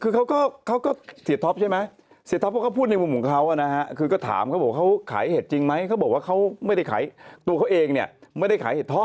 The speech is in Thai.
คือเขาก็เสียท็อปใช่ไหมเสียท็อปเขาก็พูดในมุมของเขานะฮะคือก็ถามเขาบอกเขาขายเห็ดจริงไหมเขาบอกว่าเขาไม่ได้ขายตัวเขาเองเนี่ยไม่ได้ขายเห็ดทอด